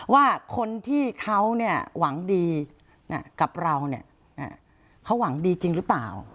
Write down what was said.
ว่าคนที่เขาหวังดีกับเราเนี่ยเขาหวังดีจริงหรือเปล่า